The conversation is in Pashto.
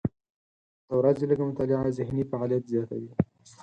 د ورځې لږه مطالعه ذهني فعالیت زیاتوي.